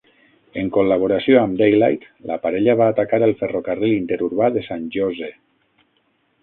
En col·laboració amb Daylight, la parella va atacar el ferrocarril interurbà de San Jose.